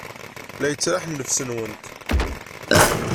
La yettraḥ nnefs-nwent.